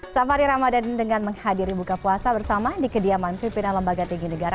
safari ramadan dengan menghadiri buka puasa bersama di kediaman pimpinan lembaga tinggi negara